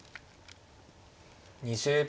２０秒。